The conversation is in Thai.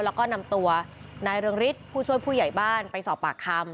แล้วก็นำตัวนายเรืองฤทธิ์ผู้ช่วยผู้ใหญ่บ้านไปสอบปากคำ